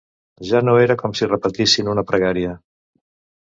Ja no era com si repetissin una pregària.